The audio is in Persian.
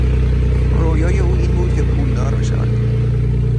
رویای او این بود که پولدار بشود.